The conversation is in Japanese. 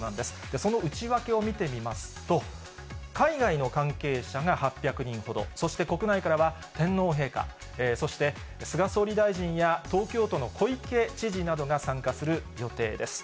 その内訳を見てみますと、海外の関係者が８００人ほど、そして国内からは天皇陛下、そして菅総理大臣や東京都の小池知事などが参加する予定です。